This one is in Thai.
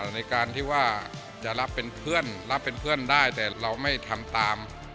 ในการที่ว่าจะรับเป็นเพื่อนรับเป็นเพื่อนได้แต่เราไม่ทำตาม